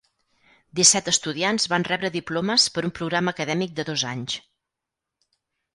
Disset estudiants van rebre diplomes per un programa acadèmic de dos anys.